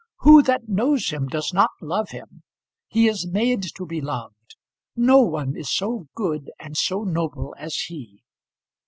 Who that knows him does not love him? He is made to be loved. No one is so good and so noble as he.